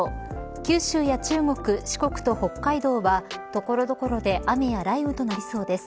九州や中国、四国と北海道は所々で雨や雷雨となりそうです。